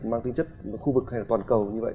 mang tính chất khu vực hay là toàn cầu như vậy